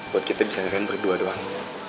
buat kita bisa kan berdua doang